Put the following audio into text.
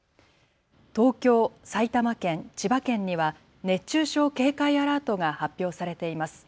東京、埼玉県、千葉県には熱中症警戒アラートが発表されています。